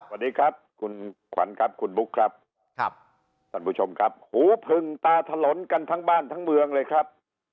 สวัสดีครับคุณขวัญครับคุณบุ๊คครับครับท่านผู้ชมครับหูพึงตาถลนกันทั้งบ้านทั้งเมืองเลยครับ